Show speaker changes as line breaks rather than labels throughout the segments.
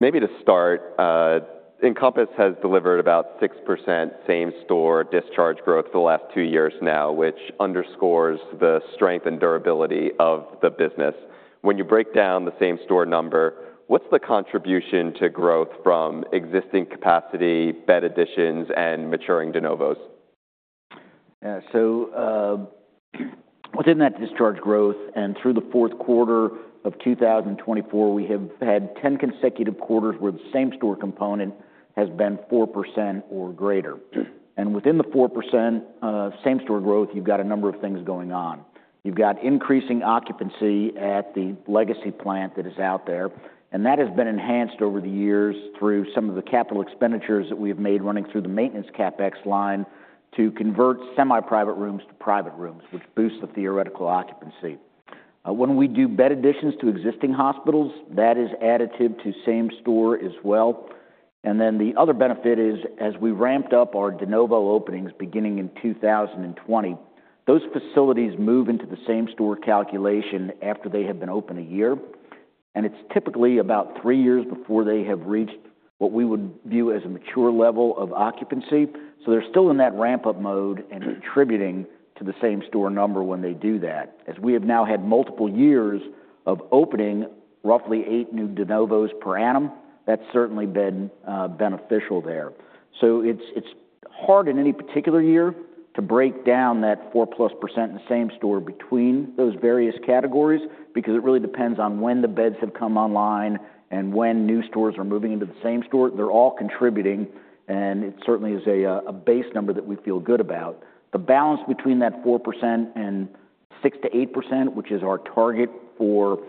Maybe to start, Encompass has delivered about 6% same-store discharge growth for the last two years now, which underscores the strength and durability of the business. When you break down the same-store number, what's the contribution to growth from existing capacity, bed additions, and maturing de novos?
Yeah, so within that discharge growth and through the fourth quarter of 2024, we have had 10 consecutive quarters where the same-store component has been 4% or greater. Within the 4% same-store growth, you've got a number of things going on. You've got increasing occupancy at the legacy plant that is out there, and that has been enhanced over the years through some of the capital expenditures that we have made running through the maintenance CapEx line to convert semi-private rooms to private rooms, which boosts the theoretical occupancy. When we do bed additions to existing hospitals, that is additive to same-store as well. The other benefit is, as we ramped up our de novo openings beginning in 2020, those facilities move into the same-store calculation after they have been open a year, and it's typically about three years before they have reached what we would view as a mature level of occupancy. They are still in that ramp-up mode and contributing to the same-store number when they do that. As we have now had multiple years of opening roughly eight new de novos per annum, that has certainly been beneficial there. It is hard in any particular year to break down that 4+% in the same-store between those various categories because it really depends on when the beds have come online and when new stores are moving into the same-store. They are all contributing, and it certainly is a base number that we feel good about. The balance between that 4% and 6-8%, which is our target for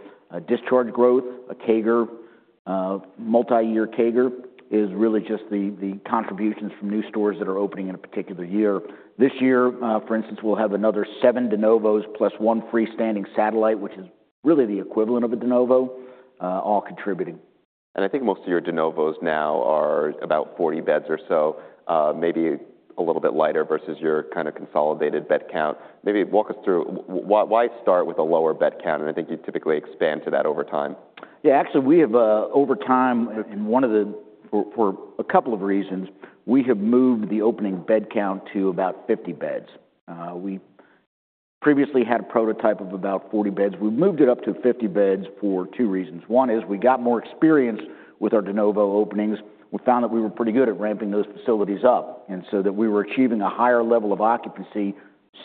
discharge growth, a multi-year CAGR, is really just the contributions from new stores that are opening in a particular year. This year, for instance, we'll have another seven de novos plus one freestanding satellite, which is really the equivalent of a de novo, all contributing.
I think most of your de novos now are about 40 beds or so, maybe a little bit lighter versus your kind of consolidated bed count. Maybe walk us through why start with a lower bed count, and I think you typically expand to that over time.
Yeah, actually, we have over time, in one of the—for a couple of reasons—we have moved the opening bed count to about 50 beds. We previously had a prototype of about 40 beds. We've moved it up to 50 beds for two reasons. One is we got more experience with our de novo openings. We found that we were pretty good at ramping those facilities up and so that we were achieving a higher level of occupancy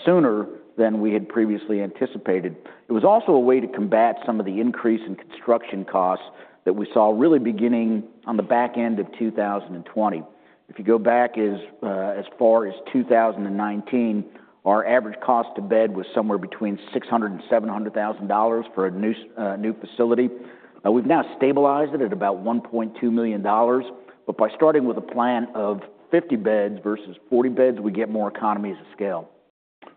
sooner than we had previously anticipated. It was also a way to combat some of the increase in construction costs that we saw really beginning on the back end of 2020. If you go back as far as 2019, our average cost to bed was somewhere between $600,000 and $700,000 for a new facility. We've now stabilized it at about $1.2 million, but by starting with a plan of 50 beds versus 40 beds, we get more economies of scale.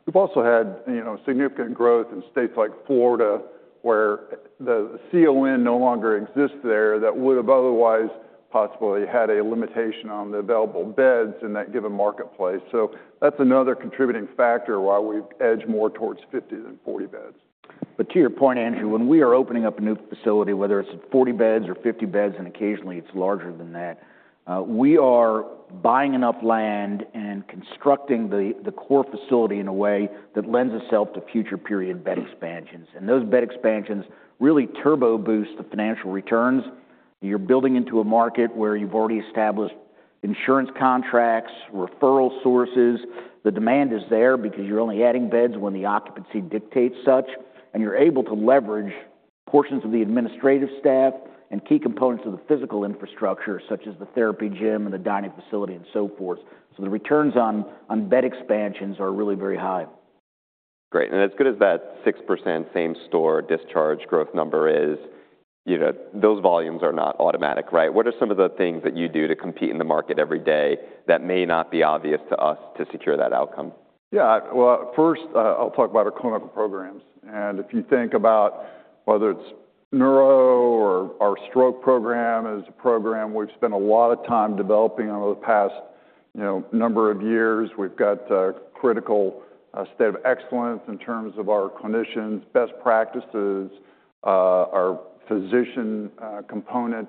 We've also had significant growth in states like Florida where the CON no longer exists there that would have otherwise possibly had a limitation on the available beds in that given marketplace. That is another contributing factor why we edge more towards 50 than 40 beds.
To your point, Andrew, when we are opening up a new facility, whether it's 40 beds or 50 beds, and occasionally it's larger than that, we are buying enough land and constructing the core facility in a way that lends itself to future period bed expansions. Those bed expansions really turbo-boost the financial returns. You're building into a market where you've already established insurance contracts, referral sources. The demand is there because you're only adding beds when the occupancy dictates such, and you're able to leverage portions of the administrative staff and key components of the physical infrastructure, such as the therapy gym and the dining facility and so forth. The returns on bed expansions are really very high.
Great. As good as that 6% same-store discharge growth number is, those volumes are not automatic, right? What are some of the things that you do to compete in the market every day that may not be obvious to us to secure that outcome?
Yeah, first, I'll talk about our clinical programs. If you think about whether it's neuro or our stroke program as a program, we've spent a lot of time developing over the past number of years. We've got a critical state of excellence in terms of our clinicians, best practices, our physician component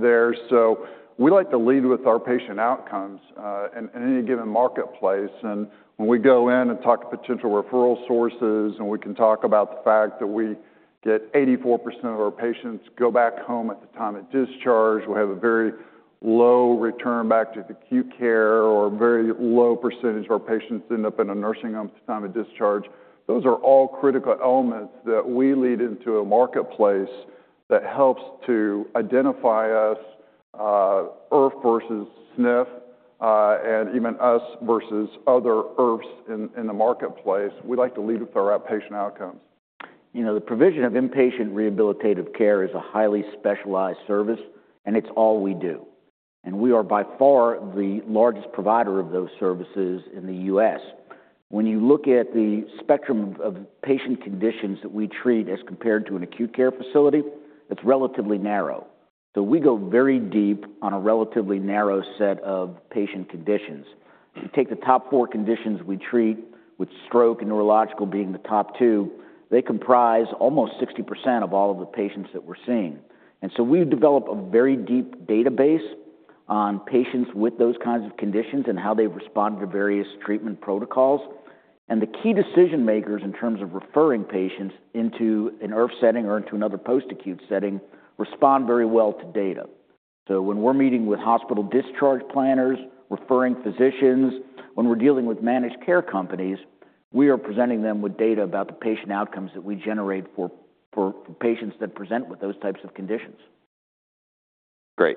there. We like to lead with our patient outcomes in any given marketplace. When we go in and talk to potential referral sources, and we can talk about the fact that we get 84% of our patients go back home at the time of discharge, we have a very low return back to the acute care, or a very low percentage of our patients end up in a nursing home at the time of discharge. Those are all critical elements that we lead into a marketplace that helps to identify us, IRF versus SNF, and even us versus other IRFs in the marketplace. We like to lead with our outpatient outcomes.
You know, the provision of inpatient rehabilitative care is a highly specialized service, and it's all we do. And we are by far the largest provider of those services in the U.S. When you look at the spectrum of patient conditions that we treat as compared to an acute care facility, it's relatively narrow. So we go very deep on a relatively narrow set of patient conditions. Take the top four conditions we treat, with stroke and neurological being the top two, they comprise almost 60% of all of the patients that we're seeing. And so we've developed a very deep database on patients with those kinds of conditions and how they've responded to various treatment protocols. And the key decision-makers in terms of referring patients into an IRF setting or into another post-acute setting respond very well to data. When we're meeting with hospital discharge planners, referring physicians, when we're dealing with managed care companies, we are presenting them with data about the patient outcomes that we generate for patients that present with those types of conditions.
Great.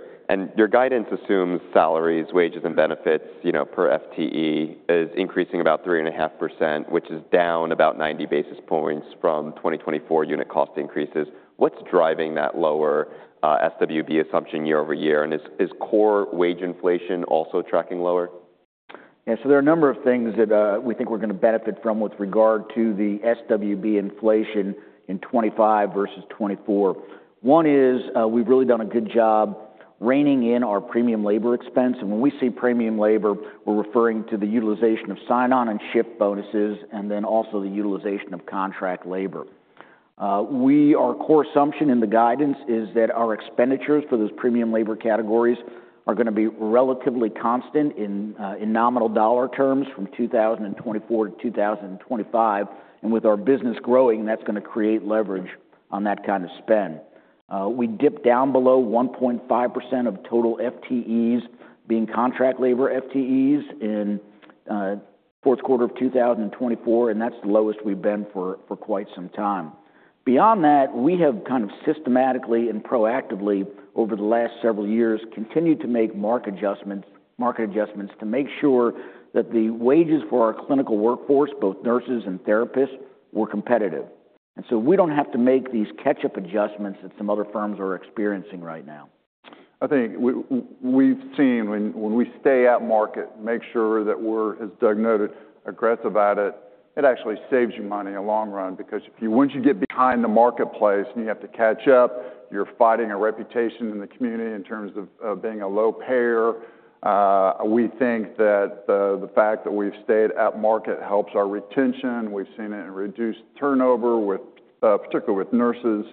Your guidance assumes salaries, wages, and benefits per FTE is increasing about 3.5%, which is down about 90 basis points from 2024 unit cost increases. What is driving that lower SWB assumption year over year? Is core wage inflation also tracking lower?
Yeah, so there are a number of things that we think we're going to benefit from with regard to the SWB inflation in 2025 versus 2024. One is we've really done a good job reining in our premium labor expense. And when we say premium labor, we're referring to the utilization of sign-on and shift bonuses, and then also the utilization of contract labor. Our core assumption in the guidance is that our expenditures for those premium labor categories are going to be relatively constant in nominal dollar terms from 2024 to 2025. And with our business growing, that's going to create leverage on that kind of spend. We dipped down below 1.5% of total FTEs being contract labor FTEs in the fourth quarter of 2024, and that's the lowest we've been for quite some time. Beyond that, we have kind of systematically and proactively over the last several years continued to make market adjustments to make sure that the wages for our clinical workforce, both nurses and therapists, were competitive. We do not have to make these catch-up adjustments that some other firms are experiencing right now.
I think we've seen when we stay at market, make sure that we're, as Doug noted, aggressive at it, it actually saves you money in the long run because once you get behind the marketplace and you have to catch up, you're fighting a reputation in the community in terms of being a low payer. We think that the fact that we've stayed at market helps our retention. We've seen it reduce turnover, particularly with nurses.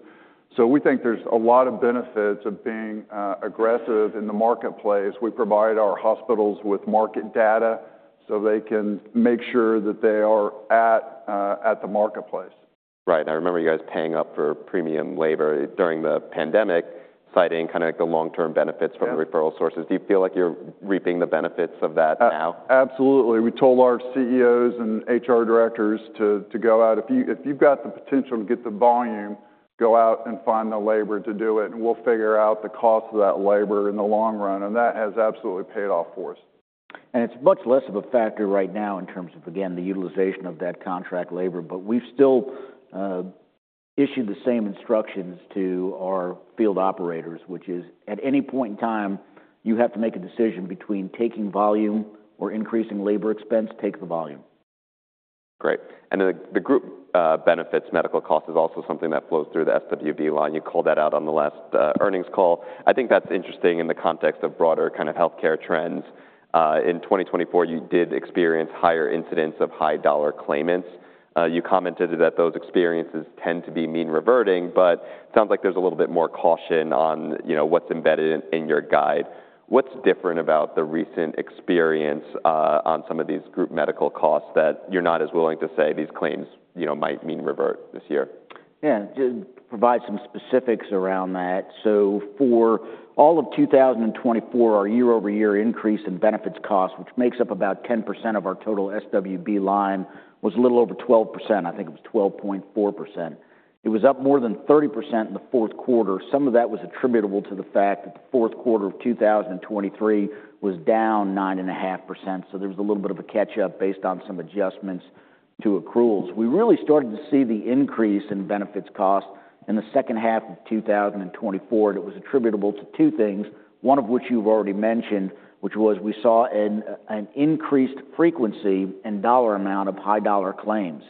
We think there's a lot of benefits of being aggressive in the marketplace. We provide our hospitals with market data so they can make sure that they are at the marketplace.
Right. I remember you guys paying up for premium labor during the pandemic, citing kind of the long-term benefits from the referral sources. Do you feel like you're reaping the benefits of that now?
Absolutely. We told our CEOs and HR directors to go out. If you've got the potential to get the volume, go out and find the labor to do it, and we'll figure out the cost of that labor in the long run. That has absolutely paid off for us.
It is much less of a factor right now in terms of, again, the utilization of that contract labor, but we have still issued the same instructions to our field operators, which is at any point in time, you have to make a decision between taking volume or increasing labor expense, take the volume.
Great. The group benefits, medical costs is also something that flows through the SWB line. You called that out on the last earnings call. I think that's interesting in the context of broader kind of healthcare trends. In 2024, you did experience higher incidents of high-dollar claimants. You commented that those experiences tend to be mean-reverting, but it sounds like there's a little bit more caution on what's embedded in your guide. What's different about the recent experience on some of these group medical costs that you're not as willing to say these claims might mean revert this year?
Yeah, just provide some specifics around that. For all of 2024, our year-over-year increase in benefits costs, which makes up about 10% of our total SWB line, was a little over 12%. I think it was 12.4%. It was up more than 30% in the fourth quarter. Some of that was attributable to the fact that the fourth quarter of 2023 was down 9.5%. There was a little bit of a catch-up based on some adjustments to accruals. We really started to see the increase in benefits costs in the second half of 2024, and it was attributable to two things, one of which you've already mentioned, which was we saw an increased frequency and dollar amount of high-dollar claims.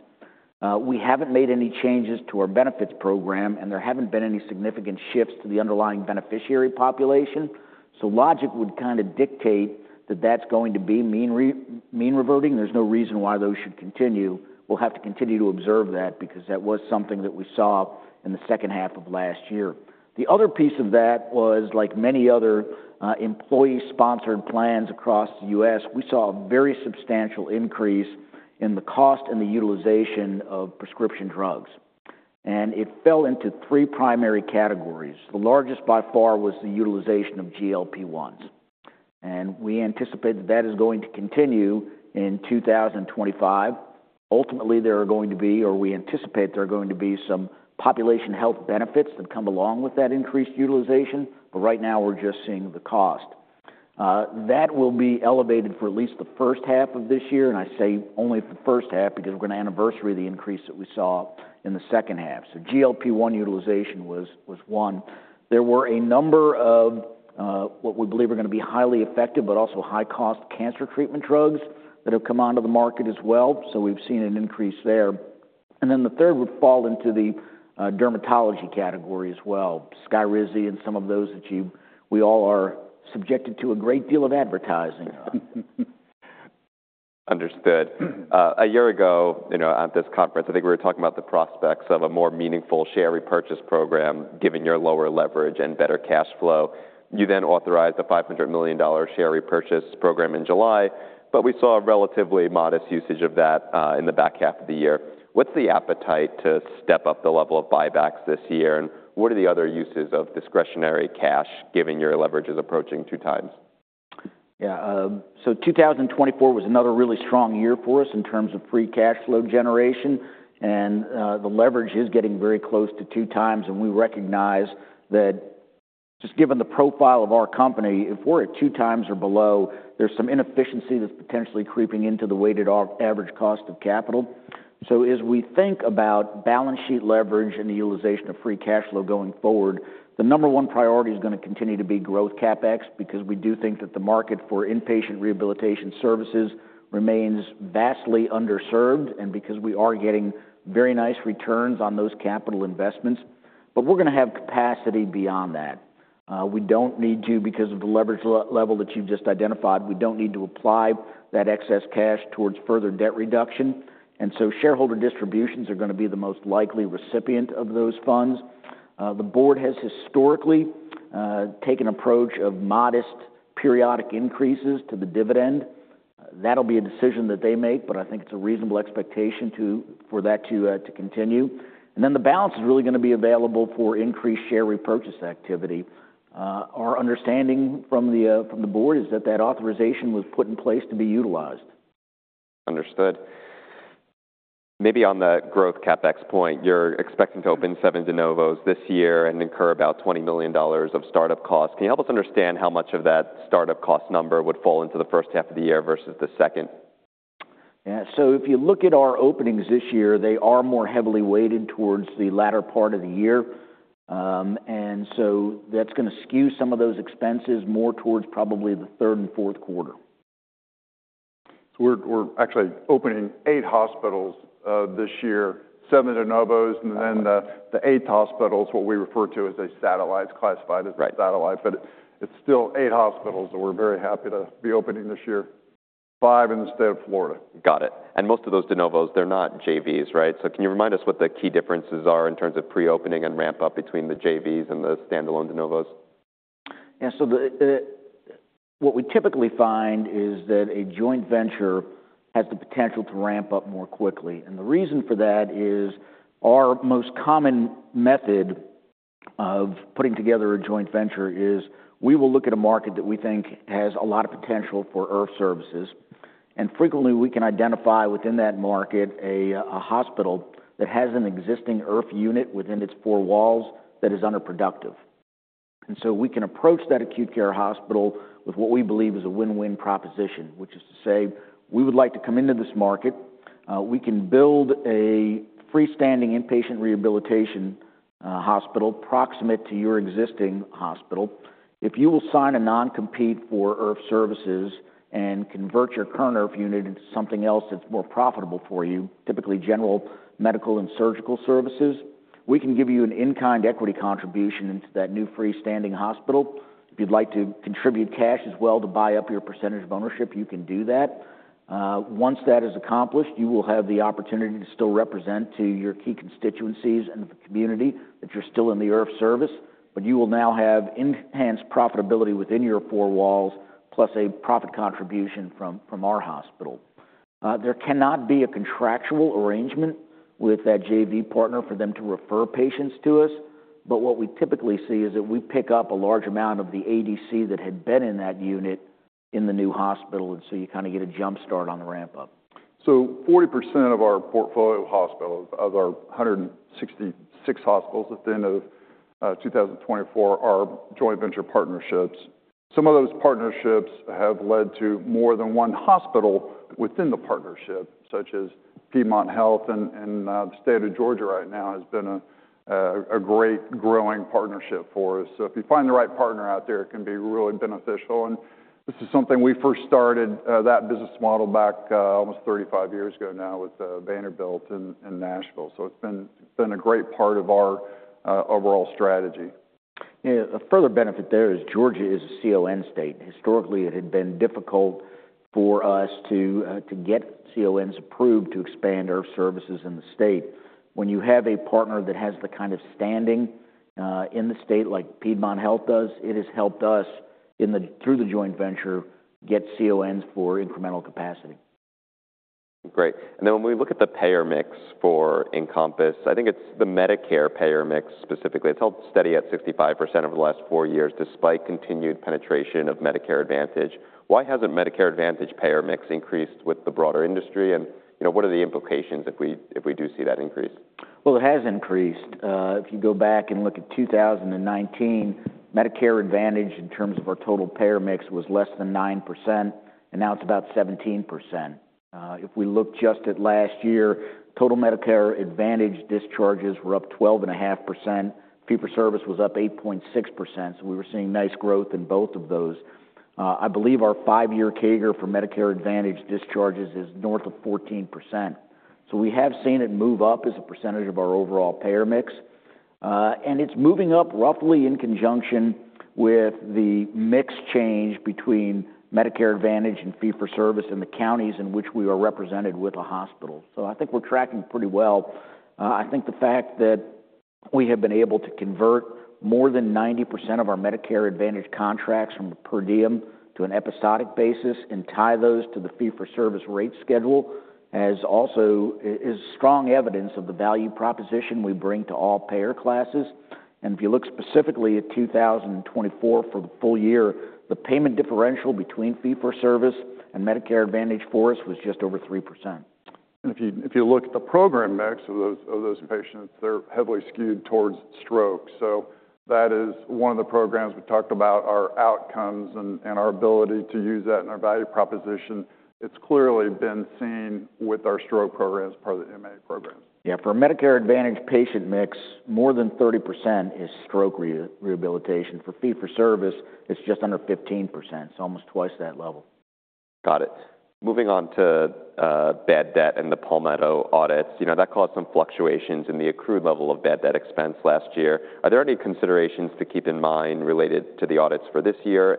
We haven't made any changes to our benefits program, and there haven't been any significant shifts to the underlying beneficiary population. Logic would kind of dictate that that's going to be mean-reverting. There's no reason why those should continue. We'll have to continue to observe that because that was something that we saw in the second half of last year. The other piece of that was, like many other employee-sponsored plans across the US, we saw a very substantial increase in the cost and the utilization of prescription drugs. It fell into three primary categories. The largest by far was the utilization of GLP-1s. We anticipate that that is going to continue in 2025. Ultimately, there are going to be, or we anticipate there are going to be some population health benefits that come along with that increased utilization, but right now we're just seeing the cost. That will be elevated for at least the first half of this year. I say only for the first half because we're going to anniversary the increase that we saw in the second half. GLP-1 utilization was one. There were a number of what we believe are going to be highly effective, but also high-cost cancer treatment drugs that have come onto the market as well. We've seen an increase there. The third would fall into the dermatology category as well. Skyrizi and some of those that we all are subjected to a great deal of advertising.
Understood. A year ago at this conference, I think we were talking about the prospects of a more meaningful share repurchase program, given your lower leverage and better cash flow. You then authorized a $500 million share repurchase program in July, but we saw relatively modest usage of that in the back half of the year. What is the appetite to step up the level of buybacks this year? What are the other uses of discretionary cash, given your leverage is approaching two times?
Yeah, 2024 was another really strong year for us in terms of free cash flow generation. The leverage is getting very close to two times. We recognize that just given the profile of our company, if we're at two times or below, there's some inefficiency that's potentially creeping into the weighted average cost of capital. As we think about balance sheet leverage and the utilization of free cash flow going forward, the number one priority is going to continue to be growth CapEx because we do think that the market for inpatient rehabilitation services remains vastly underserved. Because we are getting very nice returns on those capital investments, we're going to have capacity beyond that. We don't need to, because of the leverage level that you've just identified, we don't need to apply that excess cash towards further debt reduction. Shareholder distributions are going to be the most likely recipient of those funds. The board has historically taken an approach of modest periodic increases to the dividend. That'll be a decision that they make, but I think it's a reasonable expectation for that to continue. The balance is really going to be available for increased share repurchase activity. Our understanding from the board is that that authorization was put in place to be utilized.
Understood. Maybe on the growth CapEx point, you're expecting to open seven de novos this year and incur about $20 million of startup costs. Can you help us understand how much of that startup cost number would fall into the first half of the year versus the second?
Yeah, so if you look at our openings this year, they are more heavily weighted towards the latter part of the year. That is going to skew some of those expenses more towards probably the third and fourth quarter.
We're actually opening eight hospitals this year, seven de novos, and then the eighth hospital is what we refer to as a satellite, classified as a satellite. But it's still eight hospitals that we're very happy to be opening this year, five in the state of Florida.
Got it. Most of those de novos, they're not JVs, right? Can you remind us what the key differences are in terms of pre-opening and ramp-up between the JVs and the standalone de novos?
Yeah, what we typically find is that a joint venture has the potential to ramp up more quickly. The reason for that is our most common method of putting together a joint venture is we will look at a market that we think has a lot of potential for IRF services. Frequently, we can identify within that market a hospital that has an existing IRF unit within its four walls that is underproductive. We can approach that acute care hospital with what we believe is a win-win proposition, which is to say we would like to come into this market. We can build a freestanding inpatient rehabilitation hospital proximate to your existing hospital. If you will sign a non-compete for IRF services and convert your current IRF unit into something else that's more profitable for you, typically general medical and surgical services, we can give you an in-kind equity contribution into that new freestanding hospital. If you'd like to contribute cash as well to buy up your percentage of ownership, you can do that. Once that is accomplished, you will have the opportunity to still represent to your key constituencies and the community that you're still in the IRF service, but you will now have enhanced profitability within your four walls, plus a profit contribution from our hospital. There cannot be a contractual arrangement with that JV partner for them to refer patients to us, but what we typically see is that we pick up a large amount of the ADC that had been in that unit in the new hospital. You kind of get a jumpstart on the ramp-up.
Forty percent of our portfolio hospitals, of our 166 hospitals at the end of 2024, are joint venture partnerships. Some of those partnerships have led to more than one hospital within the partnership, such as Piedmont Health. The state of Georgia right now has been a great growing partnership for us. If you find the right partner out there, it can be really beneficial. This is something we first started that business model back almost 35 years ago now with Vanderbilt in Nashville. It has been a great part of our overall strategy.
Yeah, a further benefit there is Georgia is a CON state. Historically, it had been difficult for us to get CONs approved to expand our services in the state. When you have a partner that has the kind of standing in the state like Piedmont Health does, it has helped us through the joint venture get CONs for incremental capacity.
Great. When we look at the payer mix for Encompass, I think it's the Medicare payer mix specifically. It's held steady at 65% over the last four years despite continued penetration of Medicare Advantage. Why hasn't Medicare Advantage payer mix increased with the broader industry? What are the implications if we do see that increase?
It has increased. If you go back and look at 2019, Medicare Advantage in terms of our total payer mix was less than 9%, and now it's about 17%. If we look just at last year, total Medicare Advantage discharges were up 12.5%. Fee-for-service was up 8.6%. We were seeing nice growth in both of those. I believe our five-year CAGR for Medicare Advantage discharges is north of 14%. We have seen it move up as a percentage of our overall payer mix. It's moving up roughly in conjunction with the mix change between Medicare Advantage and fee-for-service and the counties in which we are represented with a hospital. I think we're tracking pretty well. I think the fact that we have been able to convert more than 90% of our Medicare Advantage contracts from a per diem to an episodic basis and tie those to the fee-for-service rate schedule is also strong evidence of the value proposition we bring to all payer classes. If you look specifically at 2024 for the full year, the payment differential between fee-for-service and Medicare Advantage for us was just over 3%.
If you look at the program mix of those patients, they're heavily skewed towards stroke. That is one of the programs we talked about, our outcomes and our ability to use that in our value proposition. It's clearly been seen with our stroke programs part of the MA programs.
Yeah, for Medicare Advantage patient mix, more than 30% is stroke rehabilitation. For fee-for-service, it's just under 15%. It's almost twice that level.
Got it. Moving on to bad debt and the Palmetto audits. You know, that caused some fluctuations in the accrued level of bad debt expense last year. Are there any considerations to keep in mind related to the audits for this year?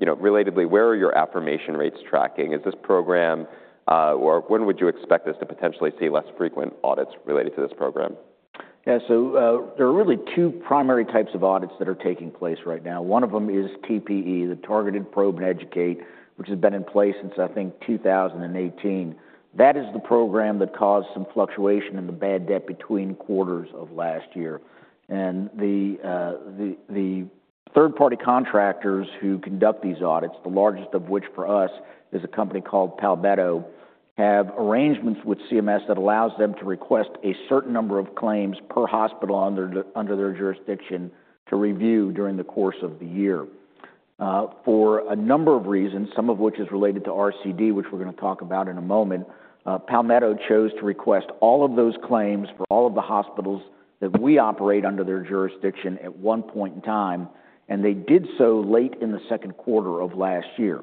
Relatedly, where are your affirmation rates tracking? Is this program, or when would you expect us to potentially see less frequent audits related to this program?
Yeah, so there are really two primary types of audits that are taking place right now. One of them is TPE, the Targeted Probe and Educate, which has been in place since, I think, 2018. That is the program that caused some fluctuation in the bad debt between quarters of last year. The third-party contractors who conduct these audits, the largest of which for us is a company called Palmetto, have arrangements with CMS that allows them to request a certain number of claims per hospital under their jurisdiction to review during the course of the year. For a number of reasons, some of which is related to RCD, which we're going to talk about in a moment, Palmetto chose to request all of those claims for all of the hospitals that we operate under their jurisdiction at one point in time. They did so late in the second quarter of last year.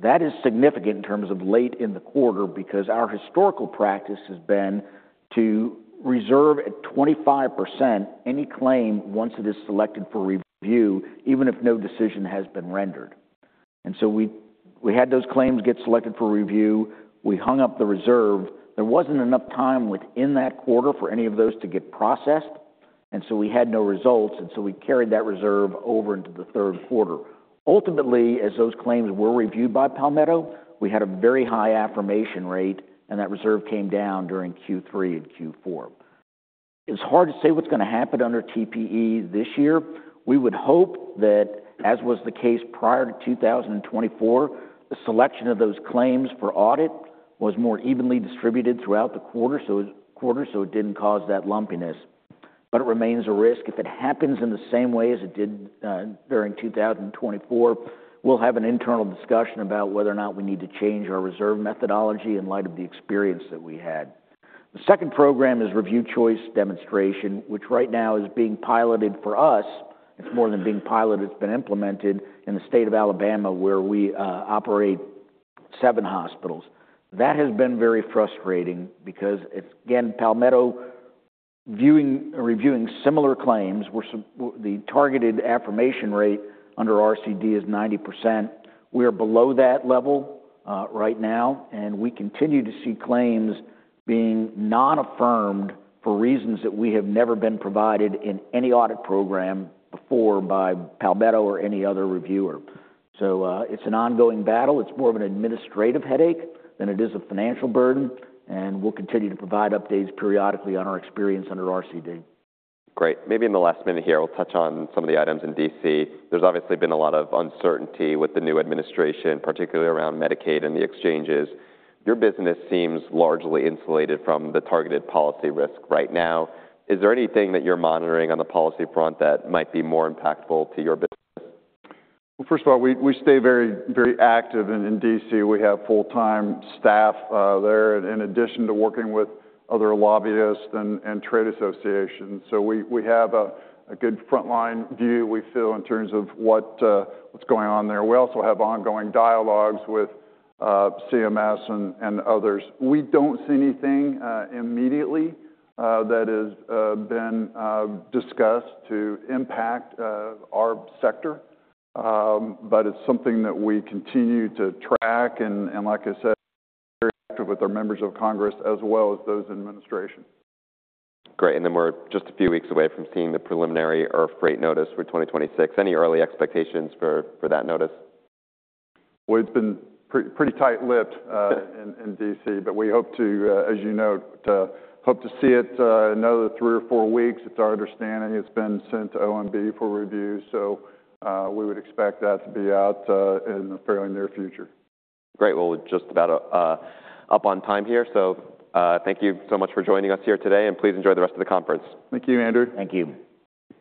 That is significant in terms of late in the quarter because our historical practice has been to reserve at 25% any claim once it is selected for review, even if no decision has been rendered. We had those claims get selected for review. We hung up the reserve. There was not enough time within that quarter for any of those to get processed. We had no results. We carried that reserve over into the third quarter. Ultimately, as those claims were reviewed by Palmetto, we had a very high affirmation rate, and that reserve came down during Q3 and Q4. It is hard to say what is going to happen under TPE this year. We would hope that, as was the case prior to 2024, the selection of those claims for audit was more evenly distributed throughout the quarter so it did not cause that lumpiness. It remains a risk. If it happens in the same way as it did during 2024, we will have an internal discussion about whether or not we need to change our reserve methodology in light of the experience that we had. The second program is Review Choice demonstration, which right now is being piloted for us. It is more than being piloted. It has been implemented in the state of Alabama, where we operate seven hospitals. That has been very frustrating because, again, Palmetto reviewing similar claims, the targeted affirmation rate under RCD is 90%. We are below that level right now, and we continue to see claims being non-affirmed for reasons that we have never been provided in any audit program before by Palmetto or any other reviewer. It is an ongoing battle. It is more of an administrative headache than it is a financial burden. We will continue to provide updates periodically on our experience under RCD.
Great. Maybe in the last minute here, we'll touch on some of the items in DC. There's obviously been a lot of uncertainty with the new administration, particularly around Medicaid and the exchanges. Your business seems largely insulated from the targeted policy risk right now. Is there anything that you're monitoring on the policy front that might be more impactful to your business?
First of all, we stay very active. In DC, we have full-time staff there in addition to working with other lobbyists and trade associations. We have a good frontline view, we feel, in terms of what's going on there. We also have ongoing dialogues with CMS and others. We do not see anything immediately that has been discussed to impact our sector, but it is something that we continue to track. Like I said, we are very active with our members of Congress as well as those in administration.
Great. We're just a few weeks away from seeing the preliminary IRF rate notice for 2026. Any early expectations for that notice?
It's been pretty tight-lipped in DC, but we hope to, as you know, hope to see it in another three or four weeks. It's our understanding it's been sent to OMB for review. We would expect that to be out in the fairly near future.
Great. We are just about up on time here. Thank you so much for joining us here today, and please enjoy the rest of the conference.
Thank you, Andrew.
Thank you.